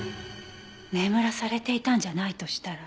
眠らされていたんじゃないとしたら。